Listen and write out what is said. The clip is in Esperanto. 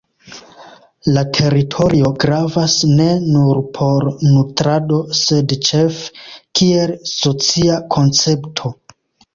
La teritorio gravas ne nur por nutrado sed ĉefe kiel socia koncepto.